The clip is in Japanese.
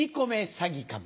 詐欺かも。